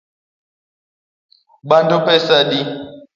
Bando pesa adi?